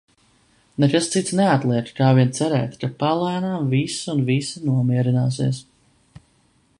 Nekas cits neatliek, kā vien cerēt, ka palēnām viss un visi nomierināsies.